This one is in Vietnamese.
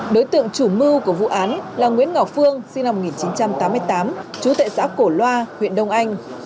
đối tượng chủ mưu của vụ án là nguyễn ngọc phương sinh năm một nghìn chín trăm tám mươi tám chú tệ giáo cổ loa huyện đông anh